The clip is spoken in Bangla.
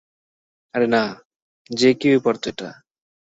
আরে না, যে কেউই পারত এটা।